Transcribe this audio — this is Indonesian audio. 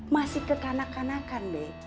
masih kekanak kanakan be